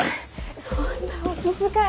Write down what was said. そんなお気遣い。